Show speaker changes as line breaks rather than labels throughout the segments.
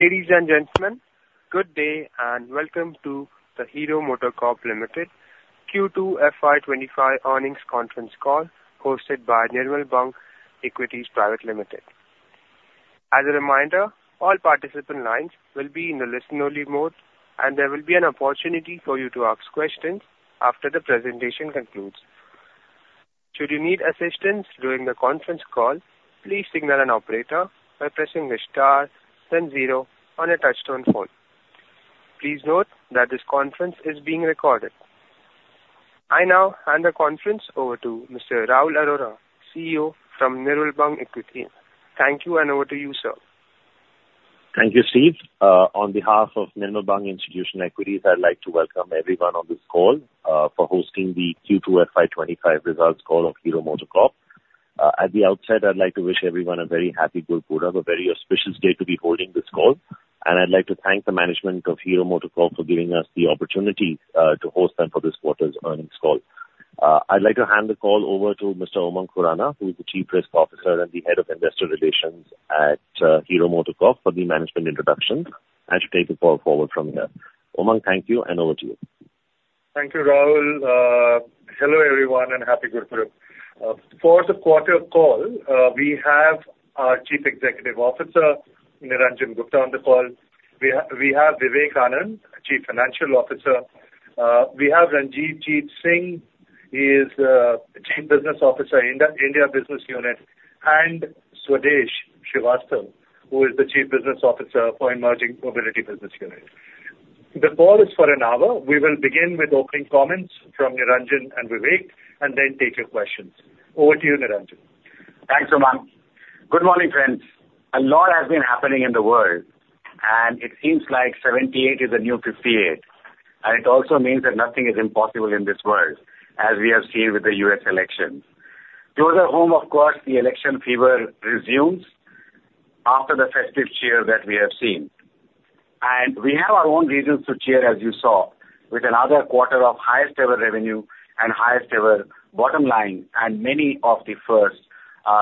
Ladies and gentlemen, good day and welcome to the Hero MotoCorp Limited Q2 FY 2025 earnings conference call hosted by Nirmal Bang Institutional Equities. As a reminder, all participant lines will be in the listen-only mode, and there will be an opportunity for you to ask questions after the presentation concludes. Should you need assistance during the conference call, please signal an operator by pressing the star-10 on a touch-tone phone. Please note that this conference is being recorded. I now hand the conference over to Mr. Rahul Arora, CEO of Nirmal Bang Institutional Equities. Thank you, and over to you, sir.
Thank you, Steve. On behalf of Nirmal Bang Institutional Equities, I'd like to welcome everyone on this call for hosting the Q2 FY 2025 results call of Hero MotoCorp. At the outset, I'd like to wish everyone a very happy Gurpurab, a very auspicious day to be holding this call. I'd like to thank the management of Hero MotoCorp for giving us the opportunity to host them for this quarter's earnings call. I'd like to hand the call over to Mr. Umang Khurana, who is the Chief Risk Officer and the Head of Investor Relations at Hero MotoCorp for the management introduction, and to take the call forward from here. Umang, thank you, and over to you.
Thank you, Rahul. Hello, everyone, and happy Gurpurab. For the quarter call, we have our Chief Executive Officer, Niranjan Gupta, on the call. We have Vivek Anand, Chief Financial Officer. We have Ranjivjit Singh. He is the Chief Business Officer, India Business Unit, and Swadesh Srivastava, who is the Chief Business Officer for Emerging Mobility Business Unit. The call is for an hour. We will begin with opening comments from Niranjan and Vivek, and then take your questions. Over to you, Niranjan.
Thanks, Umang. Good morning, friends. A lot has been happening in the world, and it seems like '78 is a new '58, and it also means that nothing is impossible in this world, as we have seen with the U.S. elections. To the home, of course, the election fever resumes after the festive cheer that we have seen. And we have our own reasons to cheer, as you saw, with another quarter of highest-ever revenue and highest-ever bottom line, and many of the firsts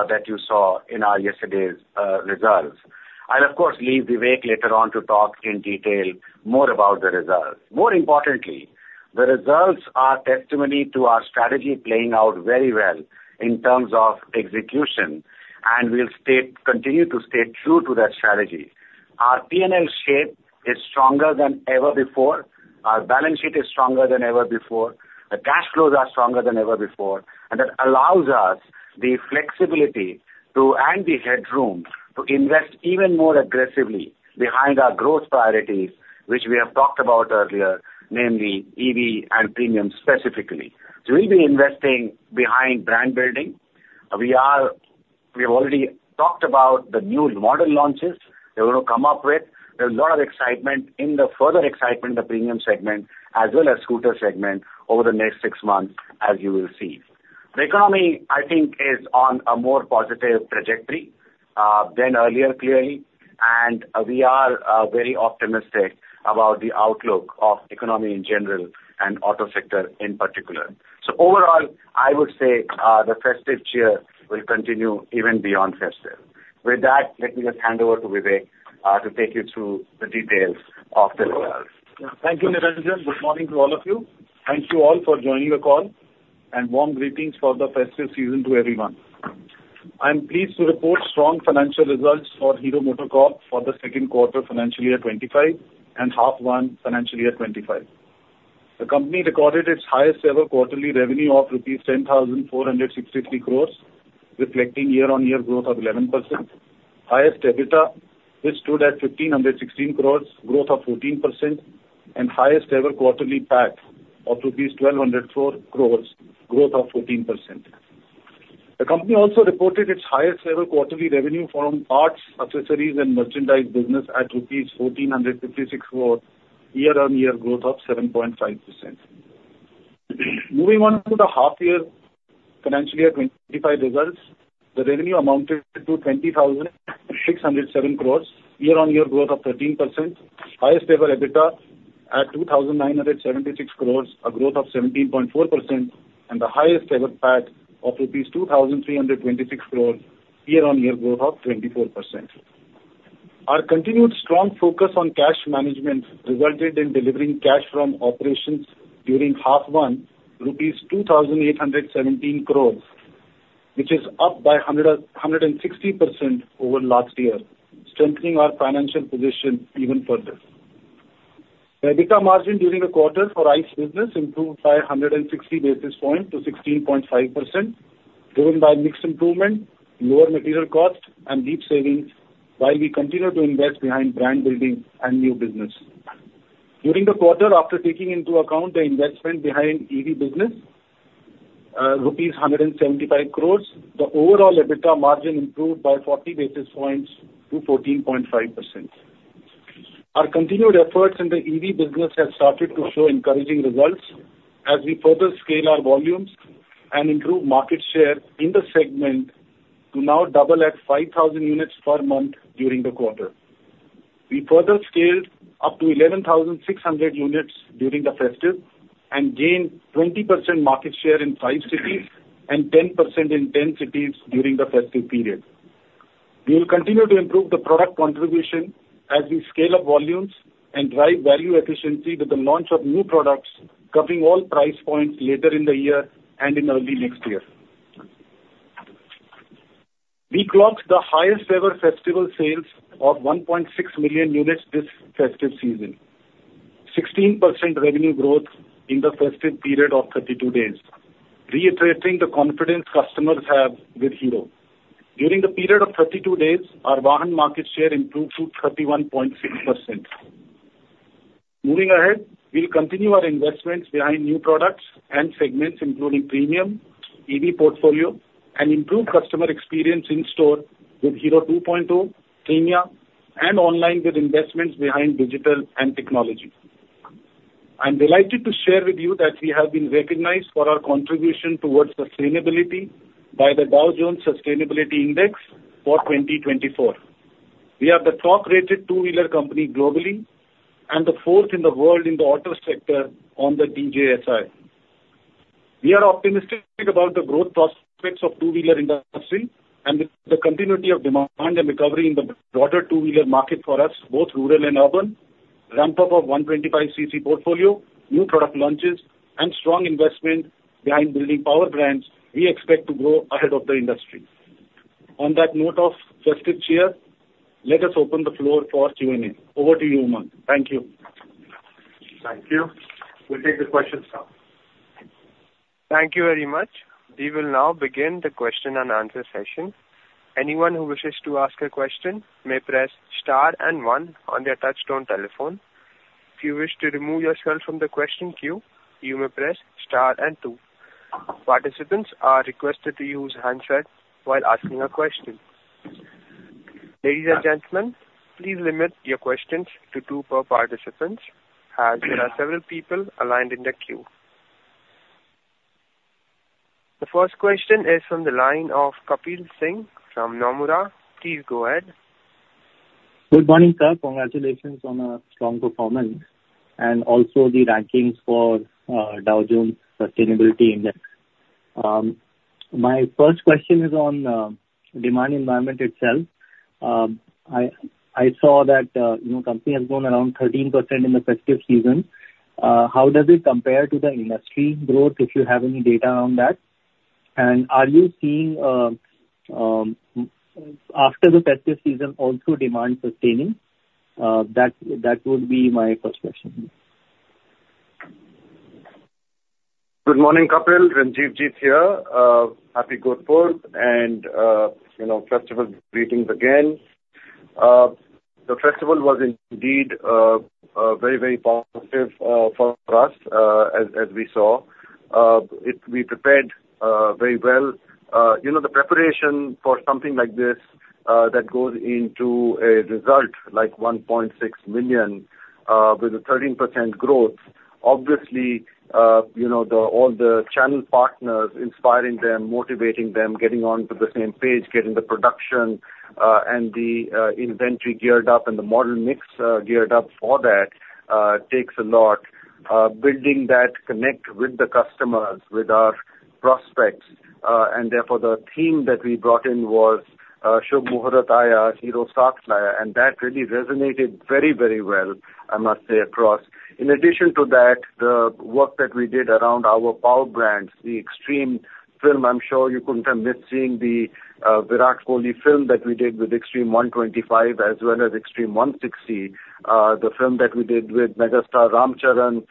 that you saw in our yesterday's results. I'll, of course, leave Vivek later on to talk in detail more about the results. More importantly, the results are testimony to our strategy playing out very well in terms of execution, and we'll continue to stay true to that strategy. Our P&L shape is stronger than ever before. Our balance sheet is stronger than ever before. The cash flows are stronger than ever before, and that allows us the flexibility and the headroom to invest even more aggressively behind our growth priorities, which we have talked about earlier, namely EV and premium specifically. So we'll be investing behind brand building. We have already talked about the new model launches they're going to come up with. There's a lot of excitement in the future, excitement in the premium segment, as well as the scooter segment, over the next six months, as you will see. The economy, I think, is on a more positive trajectory than earlier, clearly, and we are very optimistic about the outlook of the economy in general and the auto sector in particular. So overall, I would say the festive cheer will continue even beyond festive. With that, let me just hand over to Vivek to take you through the details of the results.
Thank you, Niranjan. Good morning to all of you. Thank you all for joining the call, and warm greetings for the festive season to everyone. I'm pleased to report strong financial results for Hero MotoCorp for the second quarter financial year 2025 and H1 financial year 2025. The company recorded its highest-ever quarterly revenue of rupees 10,463 crores, reflecting year-on-year growth of 11%. Highest EBITDA, which stood at 1,516 crores, growth of 14%, and highest-ever quarterly PAT of 1,204 crores, growth of 14%. The company also reported its highest-ever quarterly revenue from parts, accessories, and merchandise business at rupees 1,456 crores, year-on-year growth of 7.5%. Moving on to the half-year financial year 2025 results, the revenue amounted to 20,607 crores, year-on-year growth of 13%, highest-ever EBITDA at 2,976 crores, a growth of 17.4%, and the highest-ever PAT of rupees 2,326 crores, year-on-year growth of 24%. Our continued strong focus on cash management resulted in delivering cash from operations during half one rupees 2,817 crores, which is up by 160% over last year, strengthening our financial position even further. EBITDA margin during the quarter for ICE business improved by 160 basis points to 16.5%, driven by mixed improvement, lower material cost, and deep savings, while we continue to invest behind brand building and new business. During the quarter, after taking into account the investment behind EV business, rupees 175 crores, the overall EBITDA margin improved by 40 basis points to 14.5%. Our continued efforts in the EV business have started to show encouraging results as we further scale our volumes and improve market share in the segment to now double at 5,000 units per month during the quarter. We further scaled up to 11,600 units during the festive and gained 20% market share in five cities and 10% in 10 cities during the festive period. We will continue to improve the product contribution as we scale up volumes and drive value efficiency with the launch of new products, covering all price points later in the year and in early next year. We clocked the highest-ever festival sales of 1.6 million units this festive season, 16% revenue growth in the festive period of 32 days, reiterating the confidence customers have with Hero. During the period of 32 days, our Vahan market share improved to 31.6%. Moving ahead, we'll continue our investments behind new products and segments, including premium, EV portfolio, and improve customer experience in-store with Hero 2.0, Premia, and online with investments behind digital and technology. I'm delighted to share with you that we have been recognized for our contribution towards sustainability by the Dow Jones Sustainability Index for 2024. We are the top-rated two-wheeler company globally and the fourth in the world in the auto sector on the DJSI. We are optimistic about the growth prospects of the two-wheeler industry and the continuity of demand and recovery in the broader two-wheeler market for us, both rural and urban. Ramp-up of 125cc portfolio, new product launches, and strong investment behind building power brands, we expect to grow ahead of the industry. On that note of festive cheer, let us open the floor for Q&A. Over to you, Umang. Thank you.
Thank you. We'll take the questions now.
Thank you very much. We will now begin the question and answer session. Anyone who wishes to ask a question may press star and one on their touch-tone telephone. If you wish to remove yourself from the question queue, you may press star and two. Participants are requested to use handset while asking a question. Ladies and gentlemen, please limit your questions to two per participant, as there are several people online in the queue. The first question is from the line of Kapil Singh from Nomura. Please go ahead.
Good morning, sir. Congratulations on a strong performance, and also the rankings for Dow Jones Sustainability Index. My first question is on demand environment itself. I saw that the company has grown around 13% in the festive season. How does it compare to the industry growth, if you have any data on that? And are you seeing, after the festive season, also demand sustaining? That would be my first question.
Good morning, Kapil. Ranjivjit here. Happy Gurpurab and festive greetings again. The festival was indeed very, very positive for us, as we saw. We prepared very well. The preparation for something like this that goes into a result like 1.6 million with a 13% growth, obviously, all the channel partners inspiring them, motivating them, getting onto the same page, getting the production and the inventory geared up, and the model mix geared up for that takes a lot. Building that connect with the customers, with our prospects, and therefore the theme that we brought in was "Shubh Muhurat Aaya, Hero Saath Laya," and that really resonated very, very well, I must say, across. In addition to that, the work that we did around our power brands, the Xtreme film, I'm sure you couldn't have missed seeing the Virat Kohli film that we did with Xtreme 125, as well as Xtreme 160, the film that we did with Megastar Ram Charan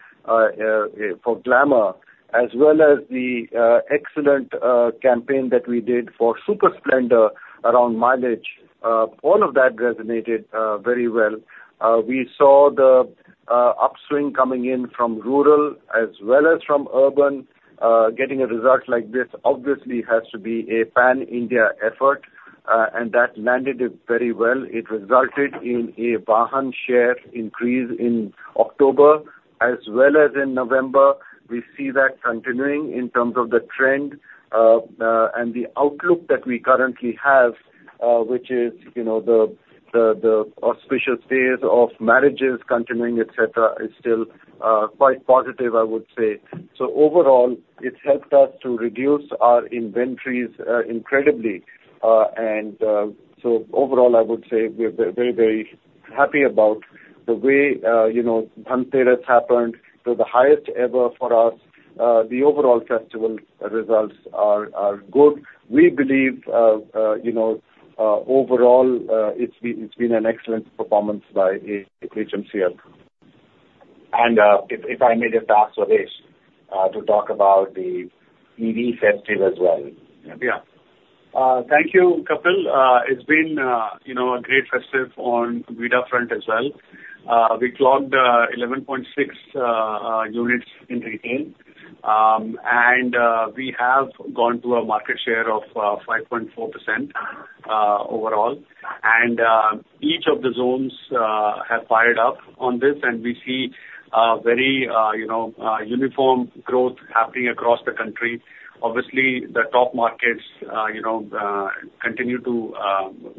for Glamour, as well as the excellent campaign that we did for Super Splendor around mileage. All of that resonated very well. We saw the upswing coming in from rural as well as from urban. Getting a result like this, obviously, has to be a pan-India effort, and that landed very well. It resulted in a Vahan share increase in October, as well as in November. We see that continuing in terms of the trend and the outlook that we currently have, which is the auspicious days of marriages continuing, et cetera, is still quite positive, I would say. So overall, it helped us to reduce our inventories incredibly. And so overall, I would say we're very, very happy about the way the Dhanteras happened to the highest ever for us. The overall festival results are good. We believe overall it's been an excellent performance by HMCL. If I may just ask Swadesh to talk about the EV festival as well.
Yeah. Thank you, Kapil. It's been a great festive on the VIDA front as well. We clocked 11.6k units in retail, and we have gone to a market share of 5.4% overall. And each of the zones have fired up on this, and we see very uniform growth happening across the country. Obviously, the top markets continue to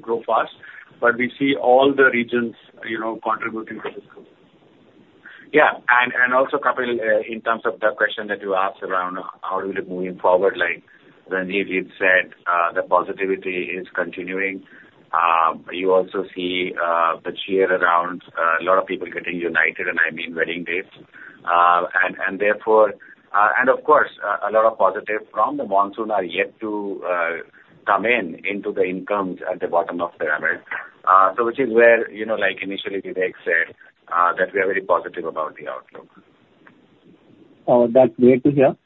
grow fast, but we see all the regions contributing to this.
Yeah. And also, Kapil, in terms of the question that you asked around how do we look moving forward, like Ranjivjit said, the positivity is continuing. You also see the cheer around a lot of people getting united, and I mean wedding days. And of course, a lot of positive from the monsoon are yet to come in into the incomes at the bottom of the pyramid, which is where, like initially Vivek said, that we are very positive about the outlook.
Oh, that's great to hear.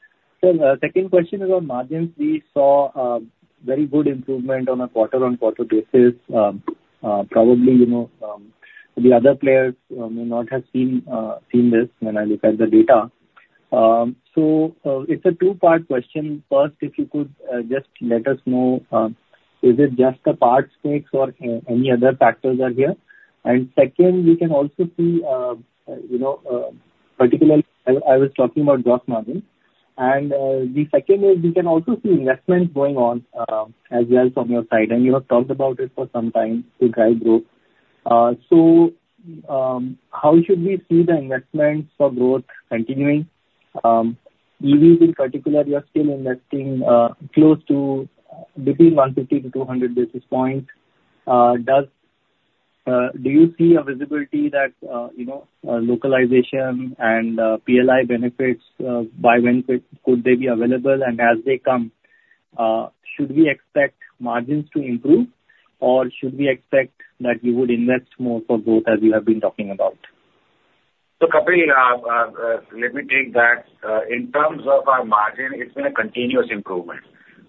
So the second question about margins, we saw very good improvement on a quarter-on-quarter basis. Probably the other players may not have seen this when I look at the data. So it's a two-part question. First, if you could just let us know, is it just the parts mix or any other factors are here? And second, we can also see particularly, I was talking about gross margin. And the second is we can also see investments going on as well from your side, and you have talked about it for some time to drive growth. So how should we see the investments for growth continuing? EVs in particular, you're still investing close to between 150 to 200 basis points. Do you see a visibility that localization and PLI benefits, by when could they be available? As they come, should we expect margins to improve, or should we expect that you would invest more for growth as you have been talking about?
So, Kapil, let me take that. In terms of our margin, it's been a continuous improvement.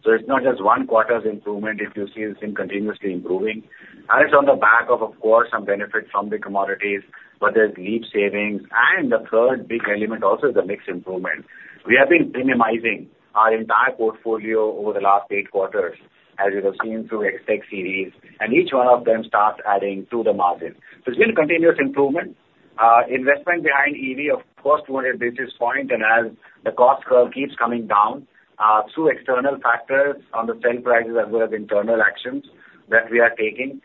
So it's not just one quarter's improvement if you see it's been continuously improving. And it's on the back of, of course, some benefit from the commodities, but there's deep savings. And the third big element also is the mix improvement. We have been optimizing our entire portfolio over the last eight quarters, as you have seen through Xtreme series, and each one of them starts adding to the margin. So it's been a continuous improvement. Investment behind EV, of course, 200 basis points, and as the cost curve keeps coming down through external factors on the sale prices as well as internal actions that we are taking.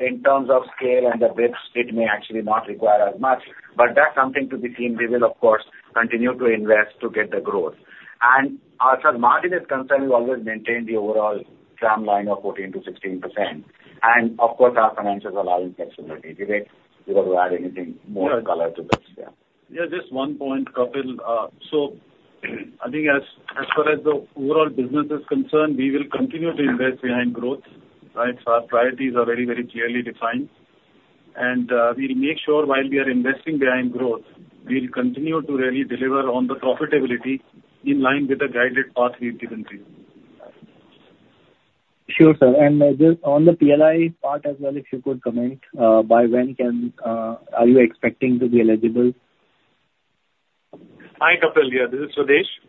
In terms of scale and the builds, it may actually not require as much, but that's something to be seen. We will, of course, continue to invest to get the growth. And as far as margin is concerned, we've always maintained the overall range of 14%-16%. And of course, our financials allowing flexibility. Vivek, you want to add any more color to this?
Yeah. Yeah, just one point, Kapil. So I think as far as the overall business is concerned, we will continue to invest behind growth. Right? So our priorities are already very clearly defined. And we'll make sure while we are investing behind growth, we'll continue to really deliver on the profitability in line with the guided path we've given to you.
Sure, sir. And on the PLI part as well, if you could comment, by when are you expecting to be eligible?
Hi, Kapil. Yeah, this is Swadesh.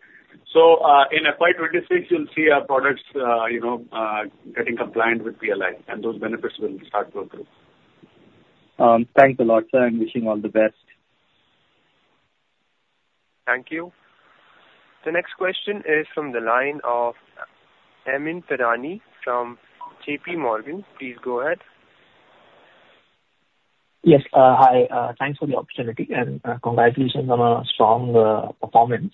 So in FY 2026, you'll see our products getting compliant with PLI, and those benefits will start to improve.
Thanks a lot, sir. I'm wishing all the best.
Thank you. The next question is from the line of Amyn Pirani from JPMorgan. Please go ahead.
Yes. Hi. Thanks for the opportunity, and congratulations on a strong performance.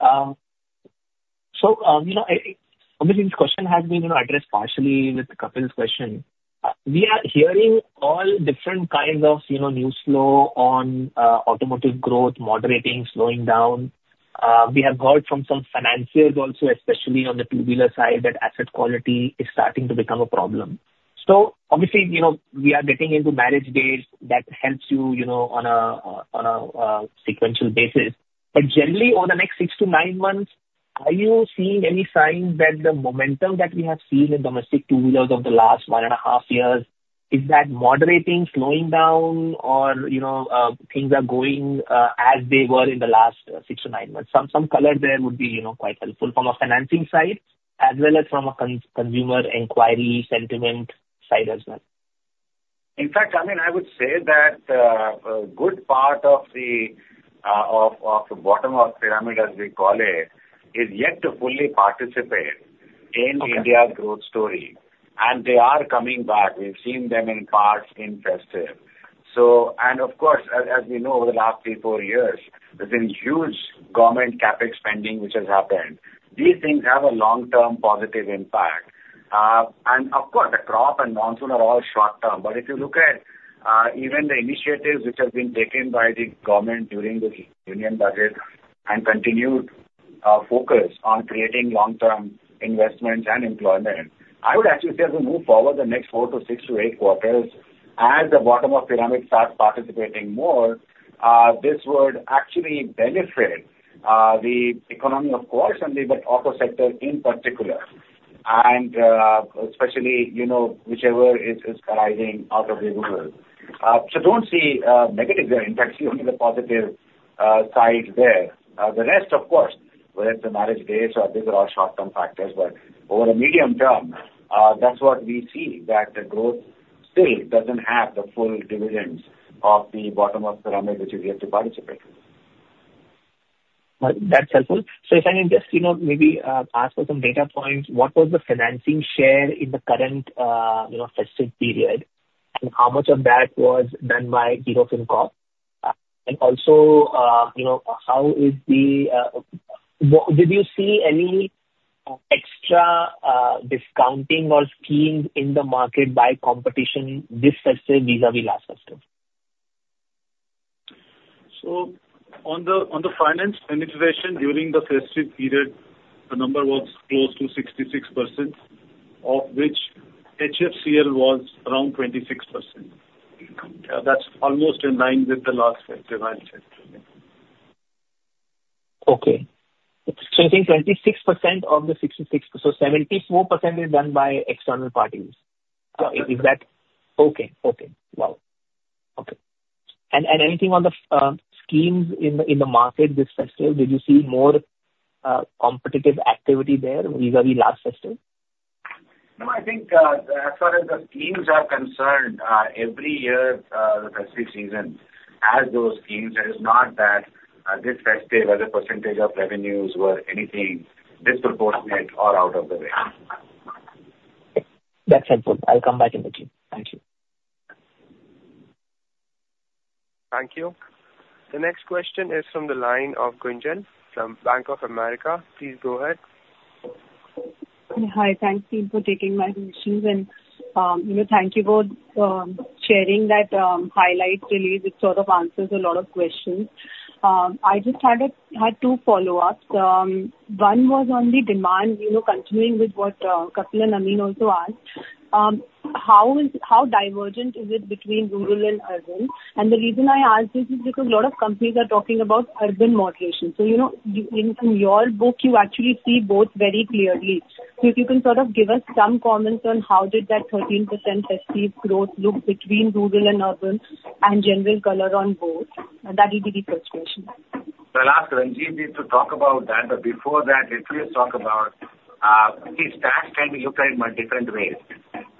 So obviously, this question has been addressed partially with Kapil's question. We are hearing all different kinds of news flow on automotive growth moderating, slowing down. We have heard from some financiers also, especially on the two-wheeler side, that asset quality is starting to become a problem. So obviously, we are getting into marriage season that helps you on a sequential basis. But generally, over the next six to nine months, are you seeing any signs that the momentum that we have seen in domestic two-wheelers over the last one and a half years, is that moderating, slowing down, or things are going as they were in the last six to nine months? Some color there would be quite helpful from a financing side as well as from a consumer inquiry sentiment side as well.
In fact, I mean, I would say that a good part of the bottom of the pyramid, as we call it, is yet to fully participate in India's growth story. And they are coming back. We've seen them in parts in festive so. And of course, as we know, over the last three, four years, there's been huge government CapEx spending which has happened. These things have a long-term positive impact. And of course, the crop and monsoon are all short-term. If you look at even the initiatives which have been taken by the government during this Union Budget and continued focus on creating long-term investments and employment, I would actually say as we move forward the next four to six to eight quarters, as the bottom of the pyramid starts participating more, this would actually benefit the economy, of course, and the auto sector in particular, and especially whichever is arising out of the rural. Do not see negative there. In fact, see only the positive side there. The rest, of course, whether it's the marriage days or these are all short-term factors, but over a medium term, that is what we see, that the growth still does not have the full dividends of the bottom of the pyramid which is yet to participate.
That's helpful. So if I may just maybe ask for some data points, what was the financing share in the current festive period, and how much of that was done by Hero FinCorp? And also, how did you see any extra discounting or schemes in the market by competition this festive vis-à-vis last festive?
So on the finance penetration during the festive period, the number was close to 66%, of which HFCL was around 26%. That's almost in line with the last festive and festive year.
Okay, so you're saying 26% of the 66%, so 74% is done by external parties. Is that?
Yes.
Okay. Wow. Anything on the schemes in the market this festive? Did you see more competitive activity there vis-à-vis last festive?
No, I think as far as the schemes are concerned, every year the festive season has those schemes. It is not that this festive as a percentage of revenues were anything disproportionate or out of the way.
That's helpful. I'll come back in the team. Thank you.
Thank you. The next question is from the line of Gunjan from Bank of America. Please go ahead.
Hi. Thanks, Team, for taking my questions. And thank you for sharing that highlight, really. It sort of answers a lot of questions. I just had two follow-ups. One was on the demand, continuing with what Kapil and Amyn also asked, how divergent is it between rural and urban? And the reason I ask this is because a lot of companies are talking about urban moderation. So in your book, you actually see both very clearly. So if you can sort of give us some comments on how did that 13% festive growth look between rural and urban and general color on both, that would be the first question.
So I'll ask Ranjivjit to talk about that. But before that, let me just talk about his stance. Can be looked at in different ways.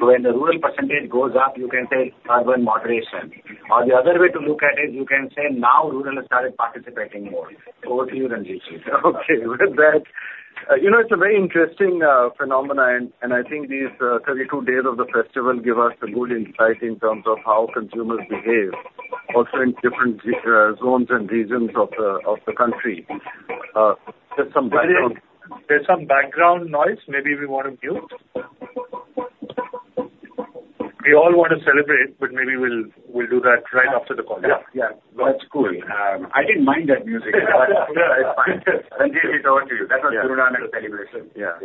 So when the rural percentage goes up, you can say urban moderation. Or the other way to look at it, you can say now rural has started participating more. Over to you, Ranjivjit.
Okay. With that, it's a very interesting phenomenon, and I think these 32 days of the festival give us a good insight in terms of how consumers behave also in different zones and regions of the country. Just some background.
There's some background noise. Maybe we want to mute?
We all want to celebrate, but maybe we'll do that right after the call.
Yeah. Yeah. That's cool. I didn't mind that music. Ranjivjit, over to you. That was rural and the celebration.
Yeah.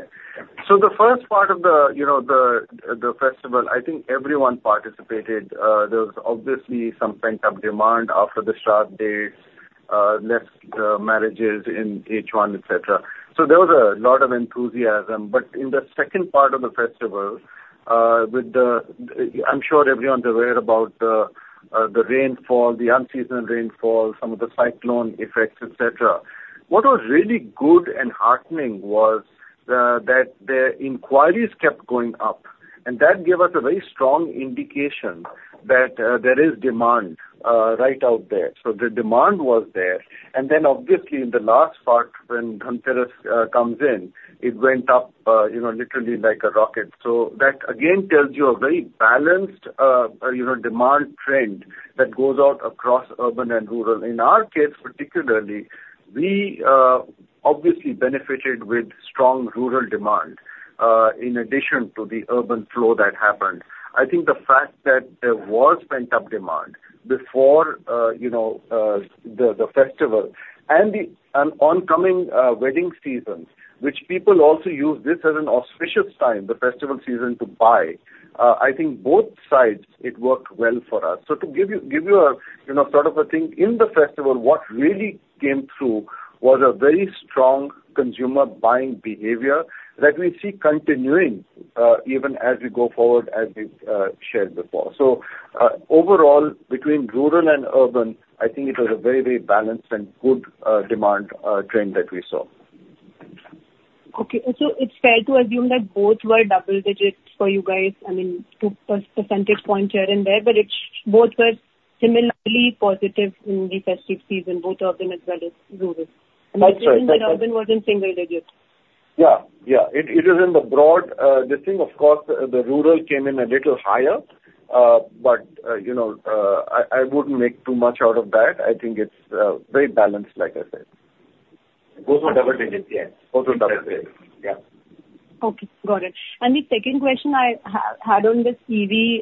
So the first part of the festival, I think everyone participated. There was obviously some pent-up demand after the start dates, less marriages in H1, et cetera. So there was a lot of enthusiasm. But in the second part of the festival, I'm sure everyone's aware about the rainfall, the unseasonal rainfall, some of the cyclone effects, et cetera. What was really good and heartening was that the inquiries kept going up. And that gave us a very strong indication that there is demand right out there. So the demand was there. And then obviously, in the last part, when Dhanteras comes in, it went up literally like a rocket. So that again tells you a very balanced demand trend that goes out across urban and rural. In our case, particularly, we obviously benefited with strong rural demand in addition to the urban flow that happened. I think the fact that there was pent-up demand before the festival and the oncoming wedding season, which people also use this as an auspicious time, the festival season, to buy. I think both sides it worked well for us. So to give you sort of a thing in the festival, what really came through was a very strong consumer buying behavior that we see continuing even as we go forward, as we shared before. So overall, between rural and urban, I think it was a very, very balanced and good demand trend that we saw.
Okay, so it's fair to assume that both were double digits for you guys, I mean, two percentage points here and there, but both were similarly positive in the festive season, both urban as well as rural.
That's right.
I assume that urban was in single digits.
Yeah. It is in the broadest sense. Of course, the rural came in a little higher, but I wouldn't make too much out of that. I think it's very balanced, like I said.
Both were double digits. Yes. Both were double digits. Yeah.
Okay. Got it. And the second question I had on the EV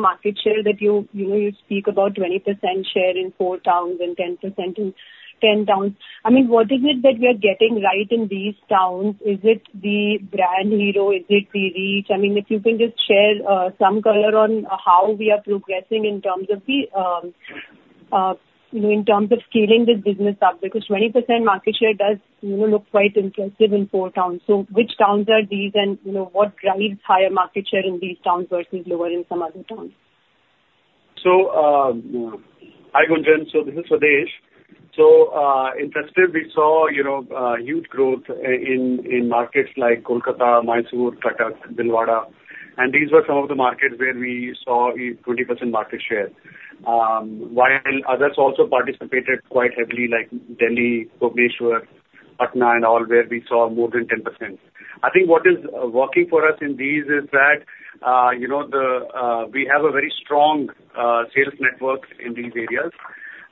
market share that you speak about 20% share in four towns and 10% in 10 towns. I mean, what is it that we are getting right in these towns? Is it the brand Hero? Is it the reach? I mean, if you can just share some color on how we are progressing in terms of scaling this business up, because 20% market share does look quite impressive in four towns. So which towns are these, and what drives higher market share in these towns versus lower in some other towns?
Hi, Gunjan. This is Swadesh. In festive, we saw huge growth in markets like Kolkata, Mysore, Cuttack, Bhilwara. These were some of the markets where we saw 20% market share, while others also participated quite heavily, like Delhi, Bhubaneswar, Patna, and all, where we saw more than 10%. I think what is working for us in these is that we have a very strong sales network in these areas,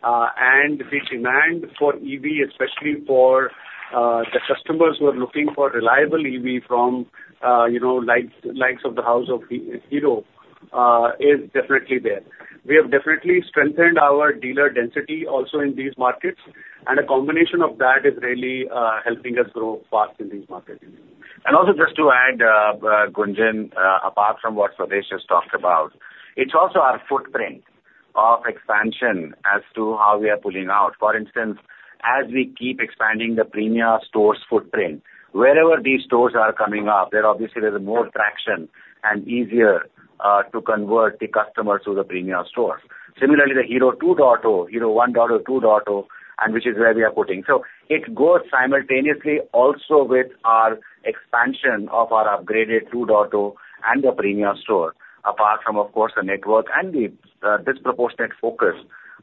and the demand for EV, especially for the customers who are looking for reliable EV from likes of the House of Hero, is definitely there. We have definitely strengthened our dealer density also in these markets, and a combination of that is really helping us grow fast in these markets.
And also just to add, Gunjan, apart from what Swadesh has talked about, it's also our footprint of expansion as to how we are pulling out. For instance, as we keep expanding the Premia stores footprint, wherever these stores are coming up, there obviously there's more traction and easier to convert the customers to the Premia stores. Similarly, the Hero 2.0, Hero 1.0, 2.0, and which is where we are putting. So it goes simultaneously also with our expansion of our upgraded 2.0 and the Premia store, apart from, of course, the network and the disproportionate focus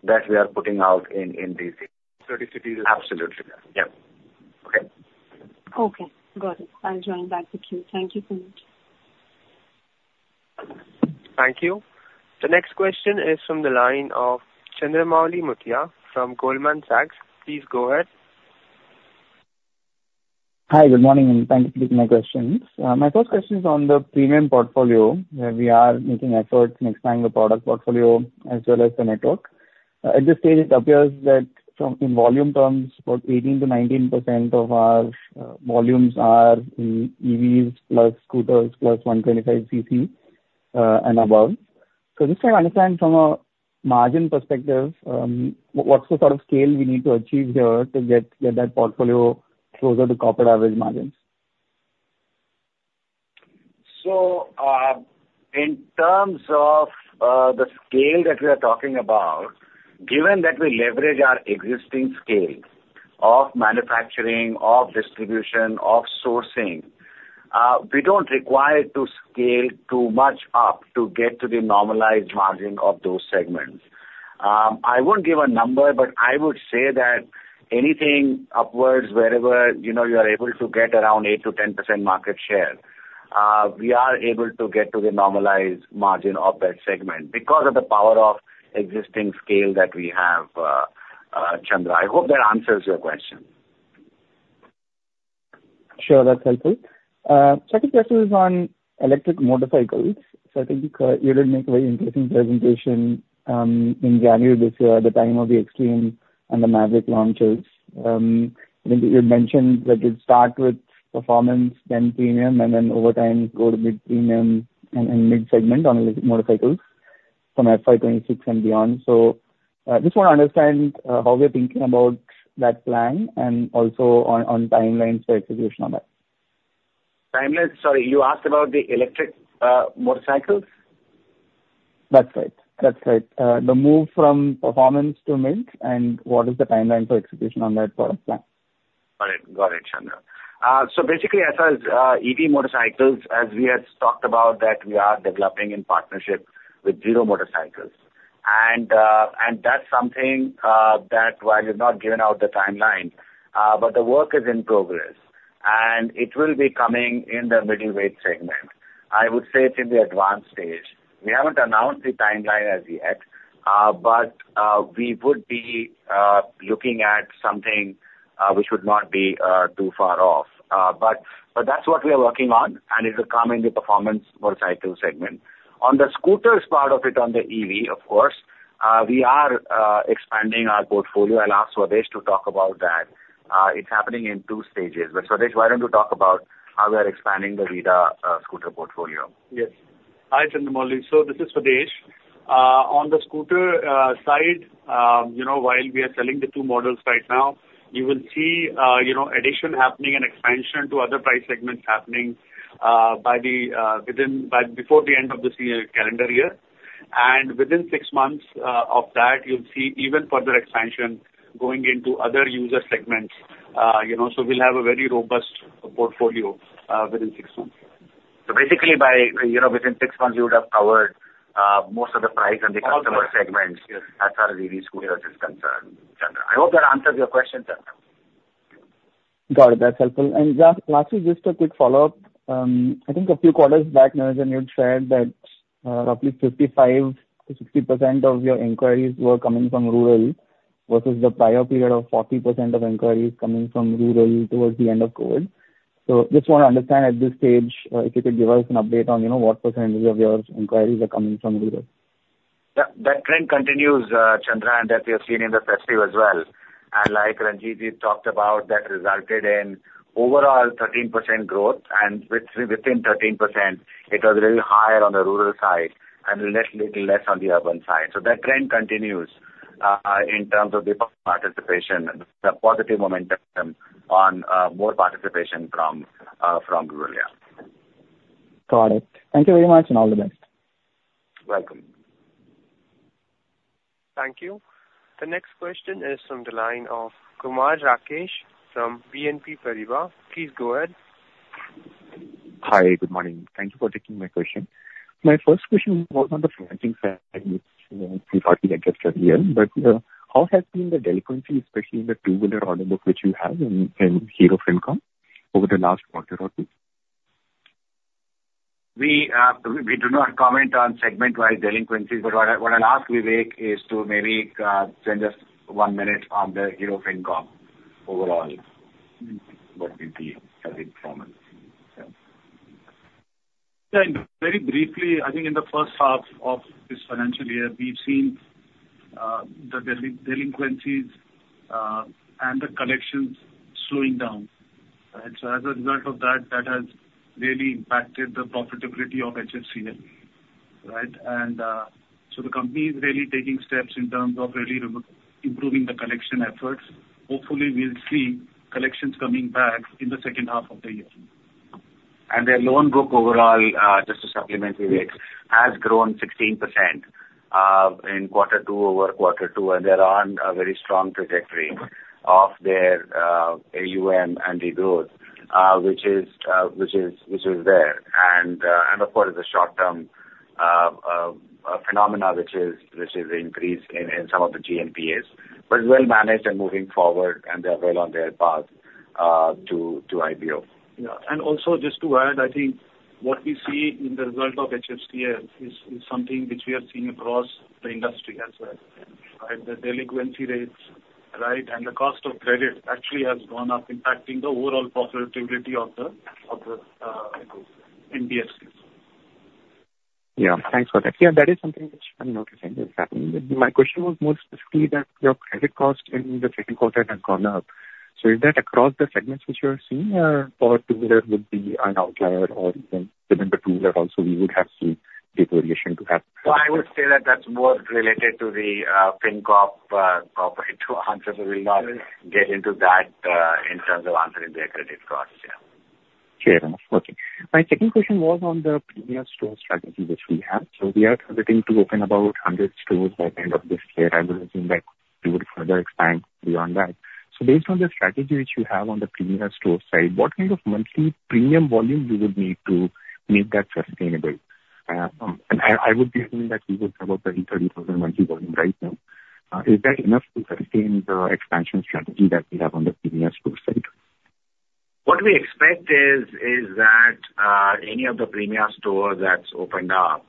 that we are putting out in these. 30 cities. Absolutely. Yeah. Okay.
Okay. Got it. I'll join back with you. Thank you so much.
Thank you. The next question is from the line of Chandramouli Muthiah from Goldman Sachs. Please go ahead.
Hi. Good morning, and thank you for taking my questions. My first question is on the premium portfolio, where we are making efforts in expanding the product portfolio as well as the network. At this stage, it appears that in volume terms, about 18%-19% of our volumes are in EVs plus scooters plus 125 cc and above. So just trying to understand from a margin perspective, what's the sort of scale we need to achieve here to get that portfolio closer to corporate average margins?
So in terms of the scale that we are talking about, given that we leverage our existing scale of manufacturing, of distribution, of sourcing, we don't require to scale too much up to get to the normalized margin of those segments. I won't give a number, but I would say that anything upwards, wherever you are able to get around 8%-10% market share, we are able to get to the normalized margin of that segment because of the power of existing scale that we have, Chandra. I hope that answers your question.
Sure. That's helpful. Second question is on electric motorcycles. So I think you did make a very interesting presentation in January this year, at the time of the Xtreme and the Mavrick launches. I think you had mentioned that you'd start with performance, then premium, and then over time go to mid-premium and mid-segment on electric motorcycles from FY 2026 and beyond. So I just want to understand how you're thinking about that plan and also on timelines for execution on that.
Timelines? Sorry. You asked about the electric motorcycles?
That's right. That's right. The move from performance to mid and what is the timeline for execution on that product plan?
Got it. Got it, Chandra. So basically, as far as EV motorcycles, as we had talked about that we are developing in partnership with Zero Motorcycles. And that's something that, while we've not given out the timeline, but the work is in progress, and it will be coming in the mid to late segment. I would say it's in the advanced stage. We haven't announced the timeline as yet, but we would be looking at something which would not be too far off. But that's what we are working on, and it will come in the performance motorcycle segment. On the scooters part of it, on the EV, of course, we are expanding our portfolio. I'll ask Swadesh to talk about that. It's happening in two stages. But Swadesh, why don't you talk about how we are expanding the VIDA scooter portfolio?
Yes. Hi, Chandramouli. So this is Swadesh. On the scooter side, while we are selling the two models right now, you will see addition happening and expansion to other price segments happening before the end of this calendar year. And within six months of that, you'll see even further expansion going into other user segments. So we'll have a very robust portfolio within six months.
So basically, within six months, you would have covered most of the price and the customer segments as far as EV scooters is concerned, Chandra. I hope that answers your question, Chandra.
Got it. That's helpful. And lastly, just a quick follow-up. I think a few quarters back, Ranjivjit, you had shared that roughly 55%-60% of your inquiries were coming from rural versus the prior period of 40% of inquiries coming from rural towards the end of COVID. So just want to understand at this stage if you could give us an update on what percentage of your inquiries are coming from rural.
That trend continues, Chandra, and that we have seen in the festival as well. And like Ranjivjit talked about, that resulted in overall 13% growth. And within 13%, it was really higher on the rural side and a little less on the urban side. So that trend continues in terms of the participation, the positive momentum on more participation from rural.
Got it. Thank you very much, and all the best.
Welcome.
Thank you. The next question is from the line of Kumar Rakesh from BNP Paribas. Please go ahead.
Hi. Good morning. Thank you for taking my question. My first question was on the financing side, which we thought we had just heard. But how has been the delinquency, especially in the two-wheeler automobile, which you have in Hero FinCorp, over the last quarter or two?
We do not comment on segment-wise delinquencies, but what I'll ask Vivek is to maybe spend just one minute on the Hero FinCorp overall, what we see as performance.
Yeah. Very briefly, I think in the first half of this financial year, we've seen the delinquencies and the collections slowing down. And so as a result of that, that has really impacted the profitability of HFCL. Right? And so the company is really taking steps in terms of really improving the collection efforts. Hopefully, we'll see collections coming back in the second half of the year.
And their loan book overall, just to supplement Vivek, has grown 16% in quarter two over quarter two. And they're on a very strong trajectory of their AUM and the growth, which is there. And of course, it's a short-term phenomenon, which is the increase in some of the GNPAs. But it's well managed and moving forward, and they're well on their path to IPO.
Yeah. And also, just to add, I think what we see in the result of HFC is something which we are seeing across the industry as well. Right? The delinquency rates, right, and the cost of credit actually has gone up, impacting the overall profitability of the NBFCs.
Yeah. Thanks for that. Yeah. That is something which I'm noticing is happening. My question was more specifically that your credit cost in the second quarter has gone up. So is that across the segments which you are seeing, or. Or together with the outlier or even within the two-wheeler also, we would have seen a variation to have.
So, I would say that that's more related to the Hero FinCorp corporate answer, so we'll not get into that in terms of answering their credit costs. Yeah.
Fair enough. Okay. My second question was on the premium store strategy which we have. So we are looking to open about 100 stores by the end of this year. I would assume that you would further expand beyond that. So based on the strategy which you have on the premium store side, what kind of monthly premium volume do you need to make that sustainable? And I would be assuming that you would have about 30,000 monthly volume right now. Is that enough to sustain the expansion strategy that we have on the premium store side?
What we expect is that any of the premium stores that's opened up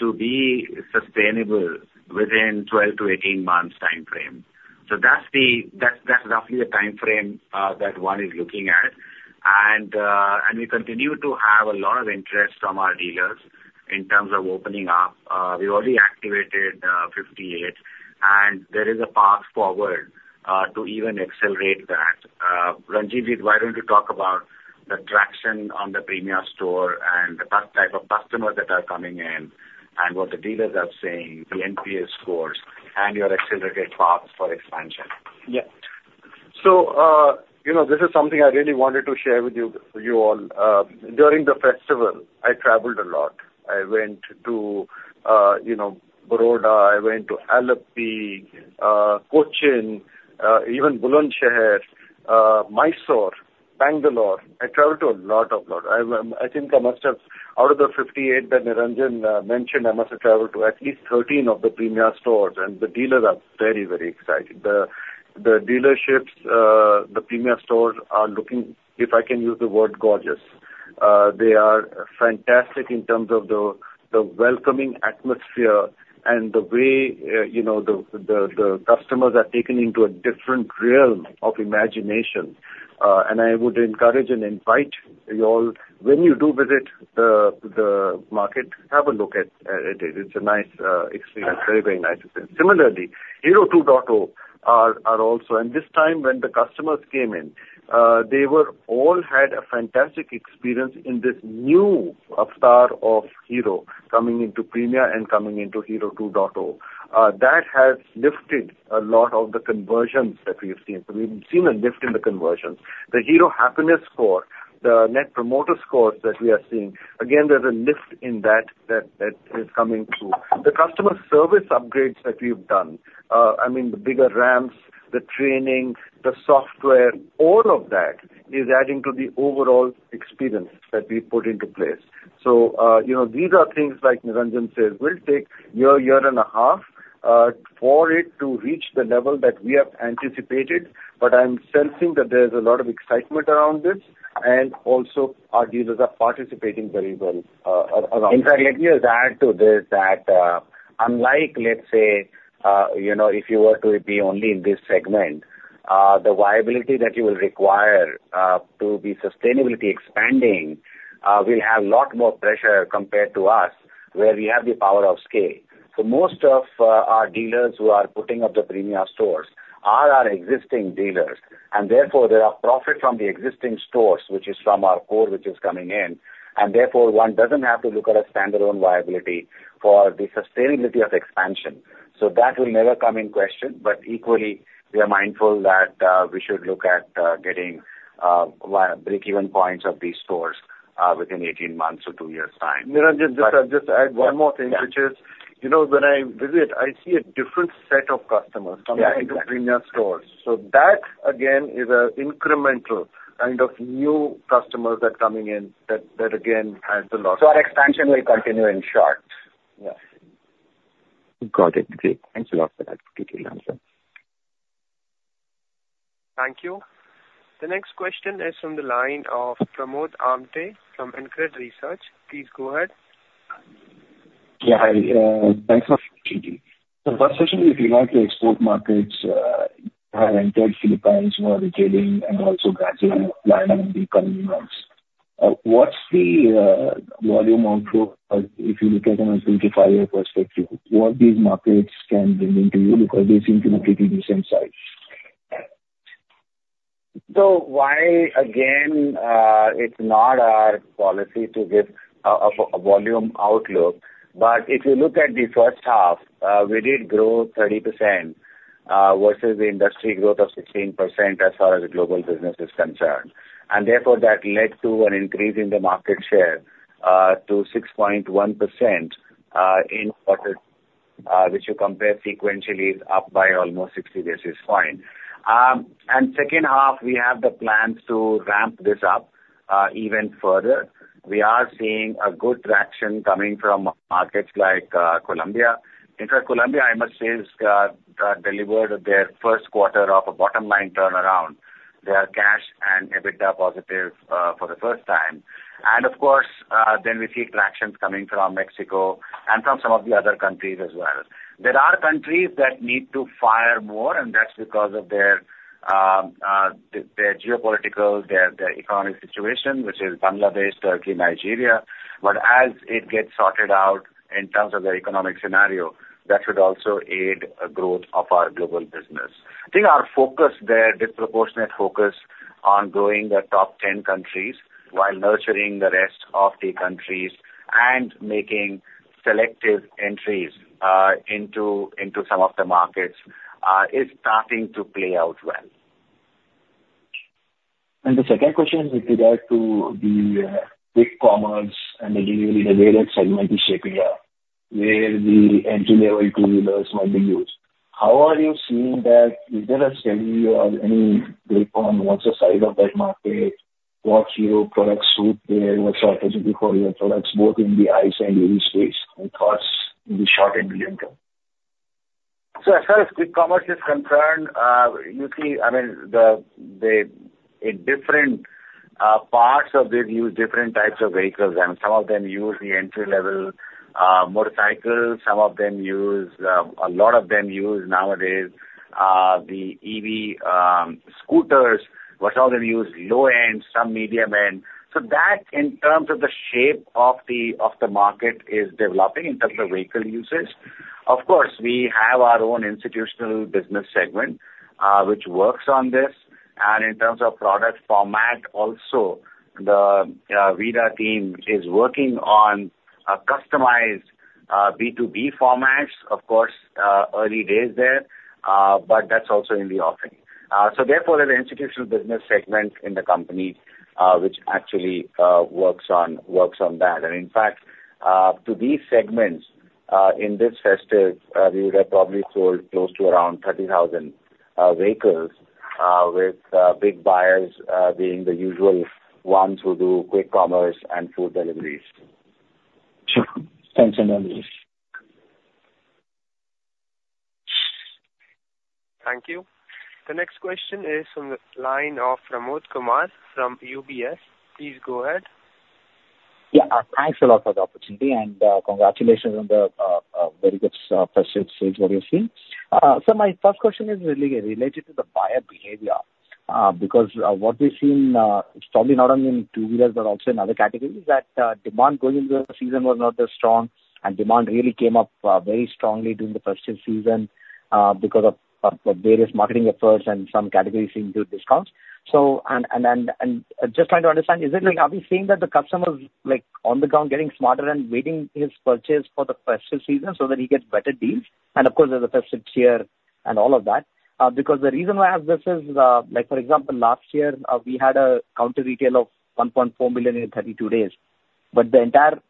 to be sustainable within 12 to 18 months' timeframe. So that's roughly the timeframe that one is looking at. And we continue to have a lot of interest from our dealers in terms of opening up. We've already activated 58, and there is a path forward to even accelerate that. Ranjivjit, why don't you talk about the traction on the premium store and the type of customers that are coming in and what the dealers are saying, the NPS scores, and your accelerated path for expansion?
Yeah. So this is something I really wanted to share with you all. During the festival, I traveled a lot. I went to Vadodara, I went to Alappuzha, Kochi, even Bulandshahr, Mysuru, Bengaluru. I traveled to a lot of places. I think I must have, out of the 58 that Naveen Chauhan mentioned, I must have traveled to at least 13 of the premium stores. And the dealers are very, very excited. The dealerships, the premium stores are looking, if I can use the word, gorgeous. They are fantastic in terms of the welcoming atmosphere and the way the customers are taken into a different realm of imagination. And I would encourage and invite you all, when you do visit the market, have a look at it. It's a nice experience, very, very nice experience. Similarly, Hero 2.0 are also, and this time when the customers came in, they all had a fantastic experience in this new avatar of Hero coming into Hero Premia and coming into Hero 2.0. That has lifted a lot of the conversions that we have seen. So we've seen a lift in the conversions. The Hero Happiness Score, the Net Promoter Scores that we are seeing, again, there's a lift in that that is coming through. The customer service upgrades that we've done, I mean, the bigger ramps, the training, the software, all of that is adding to the overall experience that we put into place. So these are things like, Niranjan says, will take a year and a half for it to reach the level that we have anticipated. But I'm sensing that there's a lot of excitement around this, and also our dealers are participating very well around this.
In fact, let me just add to this that unlike, let's say, if you were to be only in this segment, the viability that you will require to be sustainably expanding will have a lot more pressure compared to us, where we have the power of scale. So most of our dealers who are putting up the premium stores are our existing dealers. And therefore, there are profits from the existing stores, which is from our core which is coming in. And therefore, one doesn't have to look at a standalone viability for the sustainability of expansion. So that will never come in question. But equally, we are mindful that we should look at getting break-even points of these stores within 18 months or two years' time.
Ranjivjit, just add one more thing, which is when I visit, I see a different set of customers coming into premium stores. So that, again, is an incremental kind of new customers that are coming in that, again, has a lot of.
So our expansion will continue in short. Yes.
Got it. Great. Thanks a lot for that detailed answer.
Thank you. The next question is from the line of Pramod Amthe from InCred Research. Please go ahead.
Yeah. Thanks for speaking. So first question, if you look at the export markets, you have in the Philippines, you have Nigeria, and also Brazil, Latin America, and the economy lines. What's the volume output, if you look at it from a 2-5-year perspective, what these markets can bring into you? Because they seem to be pretty decent size.
So why, again, it's not our policy to give a volume outlook. But if you look at the first half, we did grow 30% versus the industry growth of 16% as far as the global business is concerned. And therefore, that led to an increase in the market share to 6.1% in quarter, which you compare sequentially up by almost 60 basis points. And second half, we have the plans to ramp this up even further. We are seeing a good traction coming from markets like Colombia. In fact, Colombia, I must say, has delivered their first quarter of a bottom-line turnaround. They are cash and EBITDA positive for the first time. And of course, then we see traction coming from Mexico and from some of the other countries as well. There are countries that need to fire more, and that's because of their geopolitical, their economic situation, which is Bangladesh, Turkey, Nigeria, but as it gets sorted out in terms of the economic scenario, that should also aid the growth of our global business. I think our focus there, disproportionate focus on growing the top 10 countries while nurturing the rest of the countries and making selective entries into some of the markets is starting to play out well.
The second question with regard to the quick commerce and the various segments you're shaping up, where the entry-level two-wheelers might be used. How are you seeing that? Is there a study or any breakdown on the size of that market? What's your product suite there? What's your strategy for your products both in the ICE and EV space? Any thoughts in the short and medium term?
So as far as quick commerce is concerned, usually, I mean, different parts of this use different types of vehicles. And some of them use the entry-level motorcycles. Some of them use a lot of nowadays the EV scooters, but some of them use low-end, some medium-end. So that, in terms of the shape of the market, is developing in terms of vehicle usage. Of course, we have our own institutional business segment which works on this. And in terms of product format, also, the VIDA team is working on customized B2B formats. Of course, early days there, but that's also in the offing. So therefore, there are institutional business segments in the company which actually works on that. In fact, to these segments in this festive, we would have probably sold close to around 30,000 vehicles, with big buyers being the usual ones who do quick commerce and food deliveries.
Sure. Thanks, Ranjivjit.
Thank you. The next question is from the line of Pramod Kumar from UBS. Please go ahead.
Yeah. Thanks a lot for the opportunity, and congratulations on the very good festive, what you're seeing. So my first question is really related to the buyer behavior. Because what we've seen, it's probably not only in two-wheelers but also in other categories, that demand going into the season was not that strong. And demand really came up very strongly during the festive season because of various marketing efforts and some categories seeming to discount. And just trying to understand, are we seeing that the customer's on the ground getting smarter and waiting his purchase for the festive season so that he gets better deals? And of course, there's the festive cheer and all of that. Because the reason why I ask this is, for example, last year, we had a counter retail of 1.4 million in 32 days. But the entire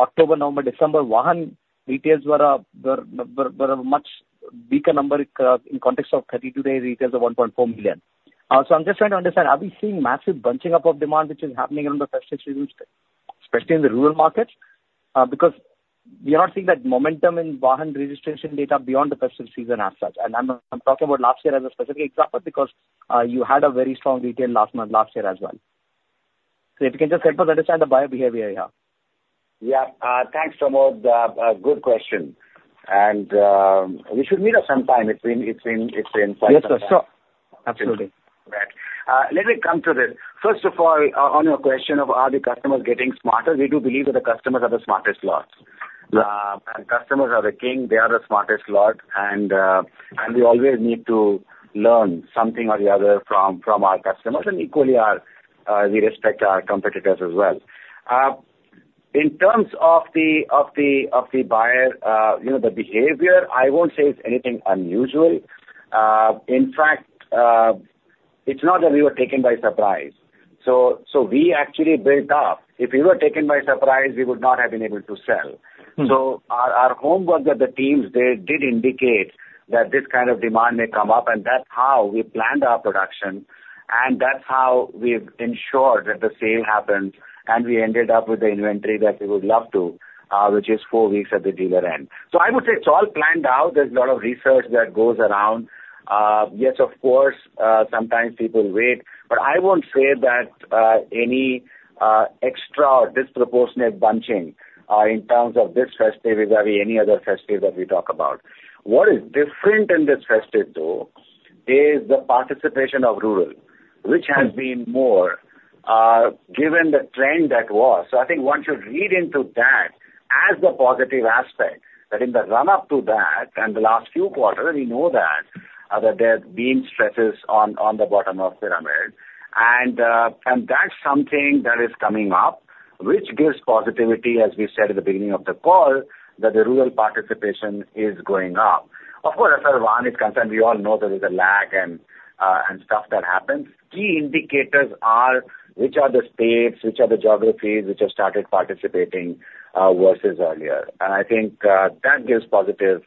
October, November, December, Vahan retails were a much weaker number in context of 32-day retails of 1.4 million. So I'm just trying to understand, are we seeing massive bunching up of demand which is happening around the festive season, especially in the rural markets? Because we are not seeing that momentum in Vahan registration data beyond the festive season as such. And I'm talking about last year as a specific example because you had a very strong retail last month, last year as well. So if you can just help us understand the buyer behavior here.
Yeah. Thanks, Pramod. Good question. And we should meet at some time between festive and.
Yes, sir. Sure. Absolutely.
Right. Let me come to this. First of all, on your question of are the customers getting smarter, we do believe that the customers are the smartest lots. And customers are the king. They are the smartest lot. And we always need to learn something or the other from our customers. And equally, we respect our competitors as well. In terms of the buyer, the behavior, I won't say it's anything unusual. In fact, it's not that we were taken by surprise. So we actually built up. If we were taken by surprise, we would not have been able to sell. So our homework that the teams did indicate that this kind of demand may come up. And that's how we planned our production. And that's how we've ensured that the sale happens. And we ended up with the inventory that we would love to, which is four weeks at the dealer end. So I would say it's all planned out. There's a lot of research that goes around. Yes, of course, sometimes people wait. But I won't say that any extra or disproportionate bunching in terms of this festive is that we have any other festive that we talk about. What is different in this festive, though, is the participation of rural, which has been more given the trend that was. So I think one should read into that as the positive aspect. But in the run-up to that, and the last few quarters, we know that there have been stresses on the bottom of the pyramid. That's something that is coming up, which gives positivity, as we said at the beginning of the call, that the rural participation is going up. Of course, as far as Vahan is concerned, we all know there is a lag and stuff that happens. Key indicators are which are the states, which are the geographies which have started participating versus earlier. I think that gives positive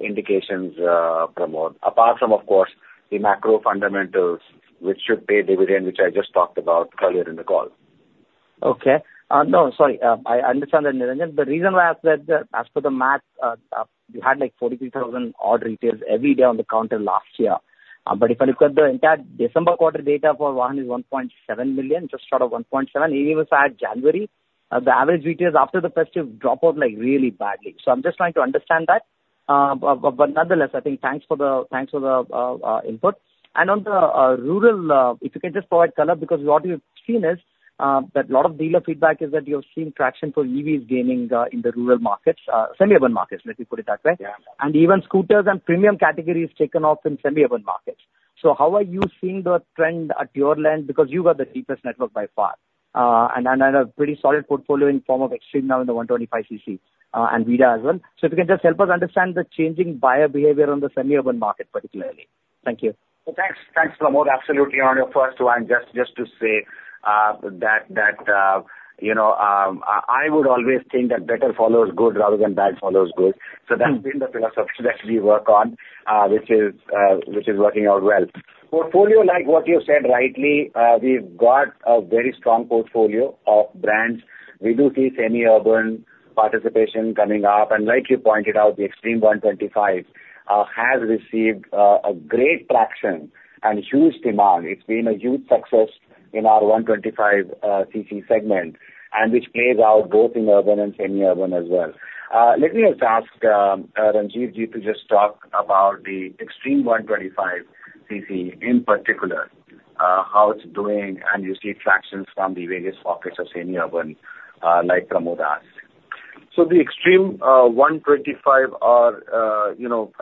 indications, Pramod, apart from, of course, the macro fundamentals, which should pay dividend, which I just talked about earlier in the call.
Okay. No, sorry. I understand that, Ranjivjit. The reason why I said that, as for the math, we had like 43,000 odd retailers every day on the counter last year. But if I look at the entire December quarter data for Vahan, it's 1.7 million, just short of 1.7. Even if I add January, the average retailers after the festive dropped off really badly. So I'm just trying to understand that. But nonetheless, I think thanks for the input. And on the rural, if you can just provide color, because what we've seen is that a lot of dealer feedback is that you've seen traction for EVs gaining in the rural markets, semi-urban markets, let me put it that way. And even scooters and premium categories taken off in semi-urban markets. So how are you seeing the trend at your end? Because you've got the deepest network by far and a pretty solid portfolio in the form of Xtreme now in the 125cc and VIDA as well. So if you can just help us understand the changing buyer behavior on the semi-urban market particularly? Thank you.
Thanks, Pramod. Absolutely. You're on your first one. Just to say that I would always think that better follows good rather than bad follows good. So that's been the philosophy that we work on, which is working out well. Portfolio, like what you've said rightly, we've got a very strong portfolio of brands. We do see semi-urban participation coming up. And like you pointed out, the Xtreme 125R has received great traction and huge demand. It's been a huge success in our 125cc segment, and which plays out both in urban and semi-urban as well. Let me just ask Ranjivjit to just talk about the Xtreme 125R in particular, how it's doing, and you see tractions from the various pockets of semi-urban like Pramod has.
So the Xtreme 125,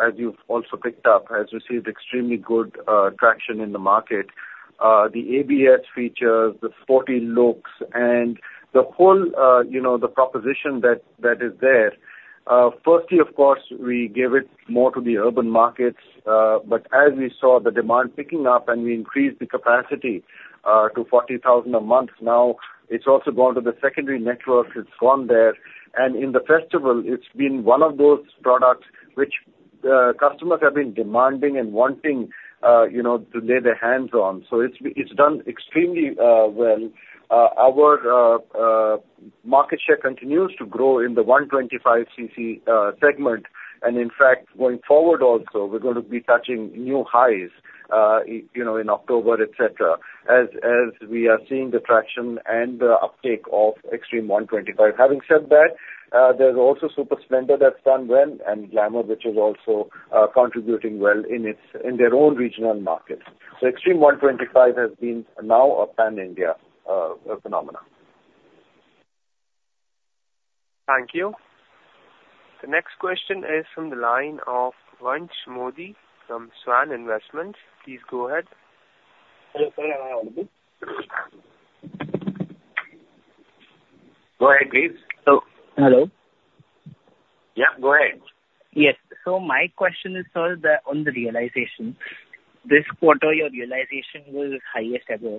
as you've also picked up, has received extremely good traction in the market. The ABS features, the sporty looks, and the whole proposition that is there. Firstly, of course, we gave it more to the urban markets. But as we saw the demand picking up and we increased the capacity to 40,000 a month, now it's also gone to the secondary networks. It's gone there. And in the festival, it's been one of those products which customers have been demanding and wanting to lay their hands on. So it's done extremely well. Our market share continues to grow in the 125cc segment. And in fact, going forward also, we're going to be touching new highs in October, et cetera, as we are seeing the traction and the uptake of Xtreme 125. Having said that, there's also Super Splendor that's done well and Glamour, which is also contributing well in their own regional markets. So Xtreme 125R has been now a pan-India phenomenon.
Thank you. The next question is from the line of Vanshaj Modi from Swan Investments. Please go ahead. Hello, sir. May I have a look?
Go ahead, please. Hello. Hello. Yeah. Go ahead. Yes. So my question is, sir, on the realization. This quarter, your realization was highest ever.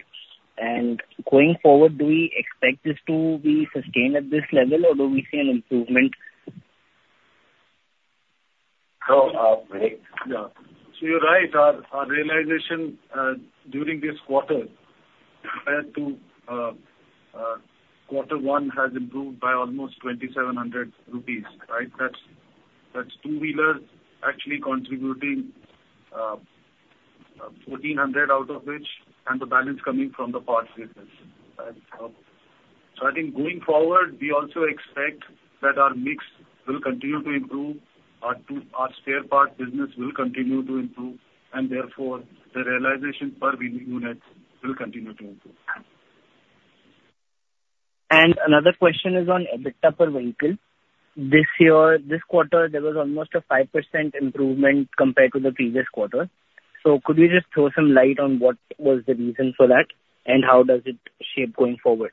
And going forward, do we expect this to be sustained at this level, or do we see an improvement? So you're right. Our realization during this quarter, compared to quarter one, has improved by almost 2,700 rupees, right? That's two-wheelers actually contributing 1,400 out of which, and the balance coming from the parts business, right? So I think going forward, we also expect that our mix will continue to improve. Our spare parts business will continue to improve. And therefore, the realization per unit will continue to improve. Another question is on EBITDA per vehicle. This quarter, there was almost a 5% improvement compared to the previous quarter. Could you just throw some light on what was the reason for that, and how does it shape going forward?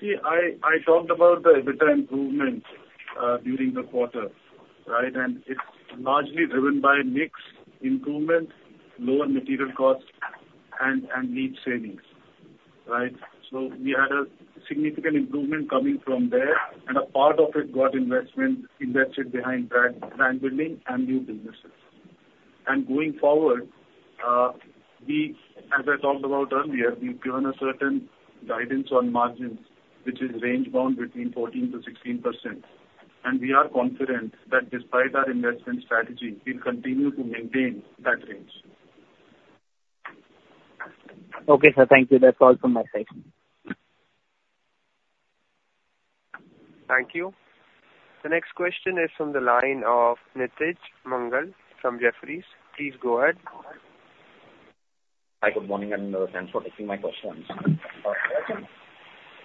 See, I talked about the EBITDA improvement during the quarter, right? And it's largely driven by mix improvements, lower material costs, and yield savings, right? So we had a significant improvement coming from there. And a part of it got invested behind brand building and new businesses. And going forward, as I talked about earlier, we've given a certain guidance on margins, which is range bound between 14%-16%. And we are confident that despite our investment strategy, we'll continue to maintain that range. Okay, sir. Thank you. That's all from my side.
Thank you. The next question is from the line of Nitij Mangal from Jefferies. Please go ahead.
Hi, good morning, and thanks for taking my question.